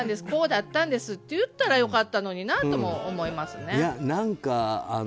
こうだったんですって言ったら良かったのになとも思います。